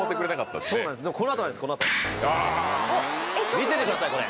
見ててくださいこれ。